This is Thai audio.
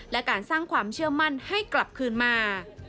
และการสร้างความเชื่อมั่นให้กลับคืนมา